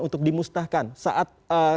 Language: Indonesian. untuk dimusnahkan saat